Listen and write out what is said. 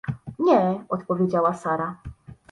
— Nie — odpowiedziała Sara.